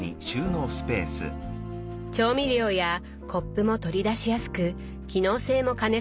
調味料やコップも取り出しやすく機能性も兼ね備えています。